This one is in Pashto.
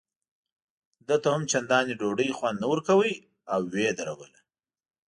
ده ته هم چندان ډوډۍ خوند نه ورکاوه او یې ودروله.